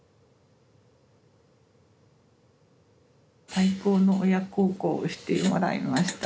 最高の親孝行をしてもらいました。